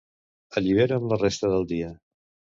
Allibera'm la resta del dia.